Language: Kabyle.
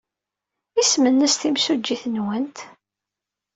Isem-nnes timsujjit-nwent?